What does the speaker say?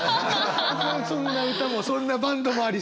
そんな歌もそんなバンドもありそう。